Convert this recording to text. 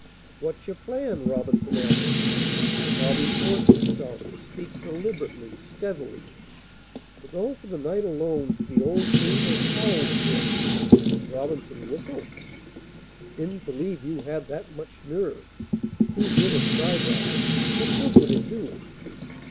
"What's your plan?" Robinson asked. Bobby forced himself to speak deliberately, steadily: "To go for the night alone to the old room as Howells did." Robinson whistled. "Didn't believe you had that much nerve. Two men have tried that. What good would it do?"